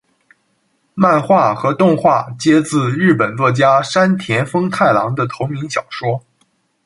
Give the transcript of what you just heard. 漫画和动画皆自日本作家山田风太郎的同名小说。